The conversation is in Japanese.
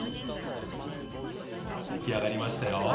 さぁ出来上がりましたよ。